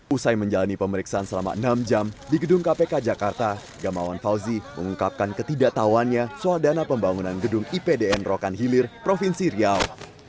usai menjalani pemeriksaan selama enam jam di gedung kpk jakarta gamawan fauzi mengungkapkan ketidaktahuannya soal dana pembangunan gedung ipdn rokan hilir provinsi riau